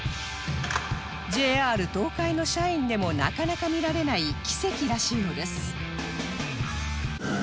ＪＲ 東海の社員でもなかなか見られない奇跡らしいのです